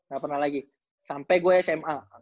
gak pernah lagi sampai gue sma